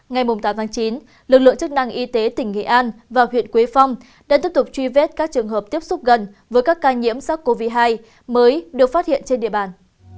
ngày tám chín lực lượng chức năng y tế tỉnh nghệ an và huyện quế phong đã tiếp tục truy vết các trường hợp tiếp xúc gần với các ca nhiễm sars cov hai mới được phát hiện trên địa bàn